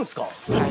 はい。